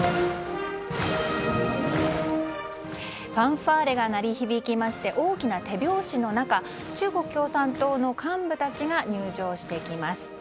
ファンファーレが鳴り響きまして大きな手拍子の中中国共産党の幹部たちが入場していきます。